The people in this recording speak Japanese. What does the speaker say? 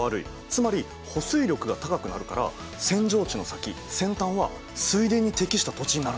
つまり保水力が高くなるから扇状地の先扇端は水田に適した土地になるんだ。